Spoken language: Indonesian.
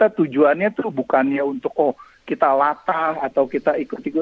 jadi tujuannya tuh bukannya untuk oh kita latah atau kita ikut ikutan dul